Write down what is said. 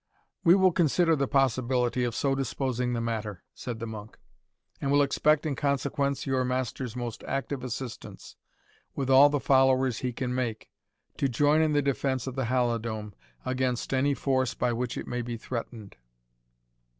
"We will consider the possibility of so disposing the matter," said the monk, "and will expect in consequence your master's most active assistance, with all the followers he can make, to join in the defence of the Halidome, against any force by which it may be threatened."